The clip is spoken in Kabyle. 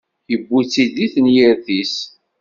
Iwwi-tt-id di tenyirt-is.